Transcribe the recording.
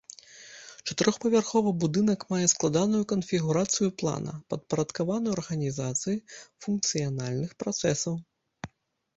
Чатырохпавярховы будынак мае складаную канфігурацыю плана, падпарадкаваную арганізацыі функцыянальных працэсаў.